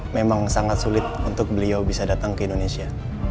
memang sangat sulit untuk beliau bisa datang ke indonesia